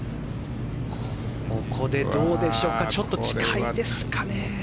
ここでどうでしょうかちょっと近いですかね。